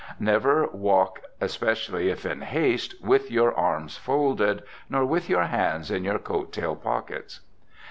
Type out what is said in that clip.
Never walk, especially if in haste, with your arms folded, nor with your hands in your coat tail pockets.